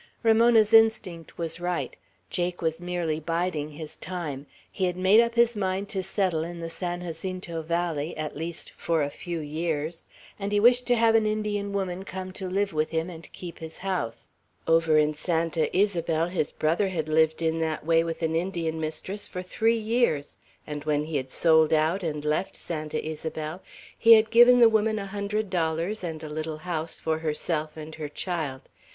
Ramona's instinct was right. Jake was merely biding his time. He had made up his mind to settle in the San Jacinto valley, at least for a few years, and he wished to have an Indian woman come to live with him and keep his house. Over in Santa Ysabel, his brother had lived in that way with an Indian mistress for three years; and when he sold out, and left Santa Ysabel, he had given the woman a hundred dollars and a little house for herself and her child.